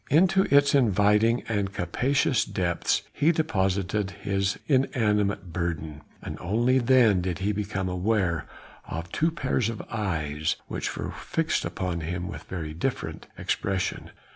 Into its inviting and capacious depths he deposited his inanimate burden, and only then did he become aware of two pairs of eyes, which were fixed upon him with very different expressions.